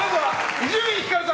伊集院さん